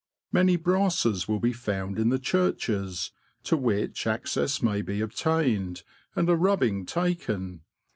Many brasses will be found in the churches, to which access may be obtained, and a rubbing taken.